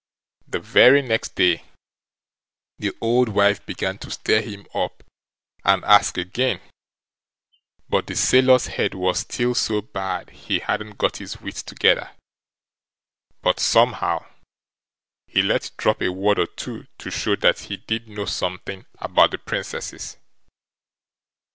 The very next day the old wife began to stir him up and ask again, but the sailor's head was still so bad he hadn't got his wits together, but somehow he let drop a word or two to show that he did know something about the Princesses.